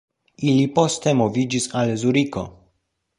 Ili poste moviĝis al Zuriko.